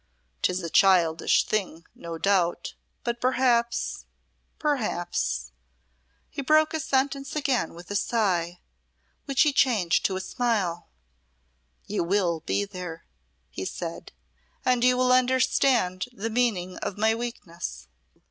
'Tis a childish thing, no doubt, but perhaps perhaps " he broke his sentence again with a sigh which he changed to a smile. "You will be there," he said, "and you will understand the meaning of my weakness."